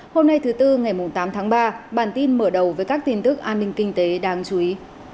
hôm nay thứ tư ngày tám tháng ba bản tin mở đầu với các tin tức an ninh kinh tế đáng chú ý